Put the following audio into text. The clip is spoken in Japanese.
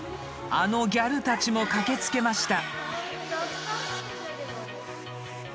あのギャルたちも駆けつけました。